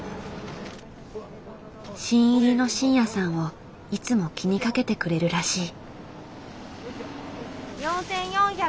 新入りの慎也さんをいつも気にかけてくれるらしい。